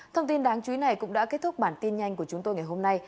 thông tin đáng chú ý này cũng đã kết thúc bản tin nhanh của chúng tôi ngày hôm nay